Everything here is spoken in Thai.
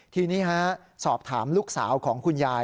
ทีนี้สอบถามลูกสาวของคุณยาย